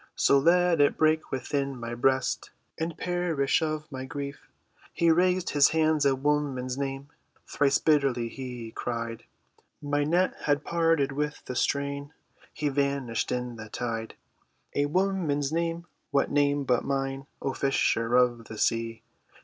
'" "So let it break within my breast, And perish of my grief." "He raised his hands; a woman's name Thrice bitterly he cried: My net had parted with the strain; He vanished in the tide." "A woman's name! What name but mine, O fisher of the sea?"